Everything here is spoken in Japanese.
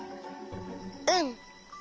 うん。